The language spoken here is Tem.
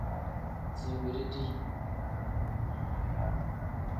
Zinbiri dii.